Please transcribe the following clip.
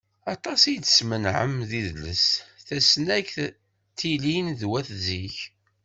Aṭas ay d-smenɛem d idles, tasnagt d tilin n wat zik.